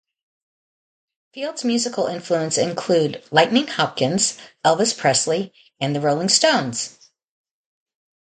Field's musical influences include Lightning Hopkins, Elvis Presley, and the Rolling Stones.